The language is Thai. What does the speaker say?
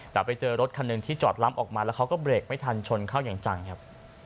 แต่ไปเจอรถคันหนึ่งที่จอดล้ำออกมาแล้วเขาก็เบรกไม่ทันชนเข้าอย่างจังครับ